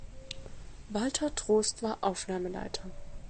Walter Tost war Aufnahmeleiter.